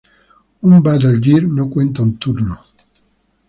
Un battle gear no cuenta un turno.